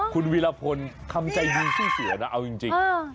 คุณวิรพนธ์ขำใจดูเสี่ยยเหนือเอายังจริง